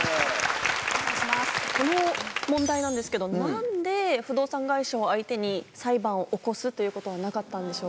この問題なんですけど何で不動産会社を相手に裁判を起こすということはなかったんでしょうか？